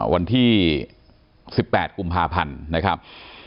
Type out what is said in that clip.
วันที่๑๘กุมภาพันธ์นะครับ